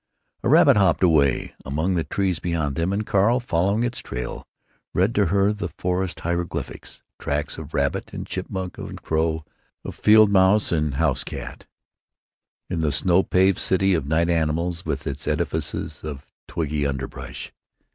A rabbit hopped away among the trees beyond them, and Carl, following its trail, read to her the forest hieroglyphics—tracks of rabbit and chipmunk and crow, of field mouse and house cat, in the snow paved city of night animals with its edifices of twiggy underbrush.